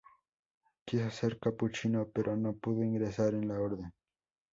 Quiso ser capuchino, pero no pudo ingresar en la orden.